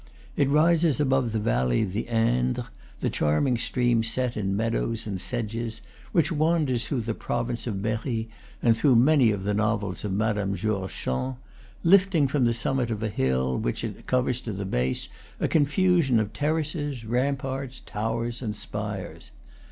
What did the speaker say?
It rises above the valley of the Indre, the charming stream set in meadows and sedges, which wanders through the province of Berry and through many of the novels of Madame George Sand; lifting from the summit of a hill, which it covers to the base, a confusion of terraces, ramparts, towers, and spires.